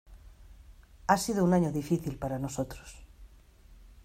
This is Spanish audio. Ha sido un año difícil para nosotros.